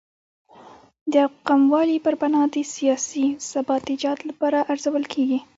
د یو قوموالۍ پر بنا د سیاسي ثبات ایجاد لپاره ارزول کېږي.